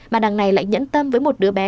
mà đằng này lại nhẫn tâm với một đứa bé